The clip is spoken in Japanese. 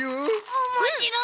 おもしろい！